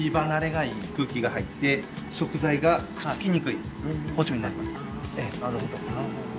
空気が入って食材がくっつきにくい包丁になります。